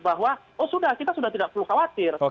bahwa oh sudah kita sudah tidak perlu khawatir